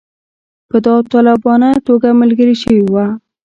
په داوطلبانه توګه ملګري شوي وه.